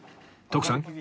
徳さん